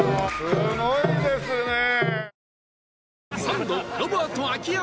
すごいですねえ！